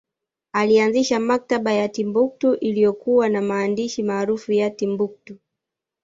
Alianzisha maktaba ya Timbuktu iliyokuwa na maandishi maarufu ya Timbuktu